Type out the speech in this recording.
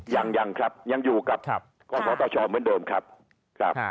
ยังยังครับยังอยู่กับครับข้อสอต่อชอเหมือนเดิมครับครับ